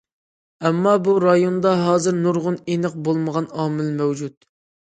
ئەمما بۇ رايوندا ھازىر نۇرغۇن ئېنىق بولمىغان ئامىل مەۋجۇت.